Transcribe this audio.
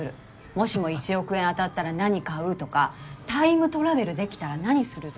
もしも１億円当たったら何買う？とかタイムトラベルできたら何する？とか。